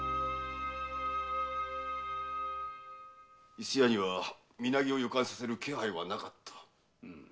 ・伊勢屋には身投げを予感させる気配はなかった。